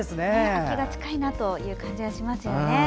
秋が近いなという感じがしますね。